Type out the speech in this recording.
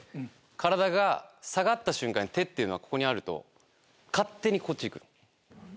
体が下がった瞬間に手っていうのはここにあると勝手にこっちへ行く。